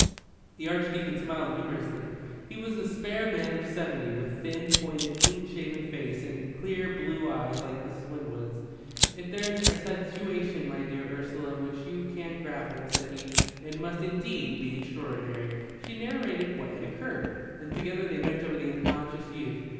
The Archdeacon smiled humorously. He was a spare man of seventy, with thin, pointed, clean shaven face, and clear blue eyes like Miss Winwood's. "If there's a situation, my dear Ursula, with which you can't grapple," said he, "it must indeed be extraordinary." She narrated what had occurred, and together they bent over the unconscious youth.